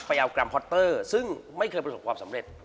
ไปเอากรัมพอตเตอร์ซึ่งไม่เคยประสบความสำเร็จ